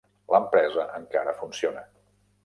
L'empresa encara funciona.